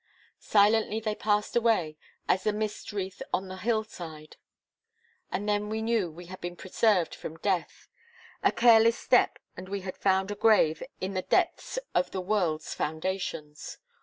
Silently they passed away, as the mist wreath on the hill side. And then we knew we had been preserved from death. A careless step and we had found a grave in the depths of the world's foundations.